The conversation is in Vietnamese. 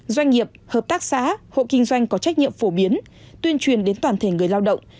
doanh nghiệp hợp tác xã hộ kinh doanh có trách nhiệm phổ biến tuyên truyền đến toàn thể người lao động